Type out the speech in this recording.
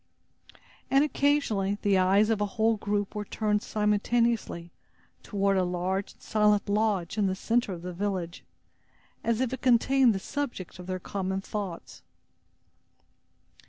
And occasionally, the eyes of a whole group were turned simultaneously toward a large and silent lodge in the center of the village, as if it contained the subject of their common thoughts.